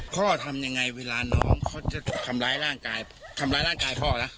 ทำยังไงเวลาน้องเขาจะทำร้ายร่างกายทำร้ายร่างกายพ่อล่ะ